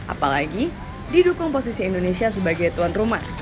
apalagi didukung posisi indonesia sebagai tuan rumah